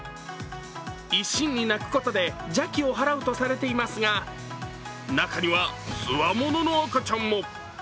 一心に泣くことで邪気を払うとしていますが、中には、つわものの赤ちゃんも。